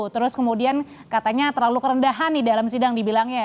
terus kemudian katanya terlalu kerendahan nih dalam sidang dibilangnya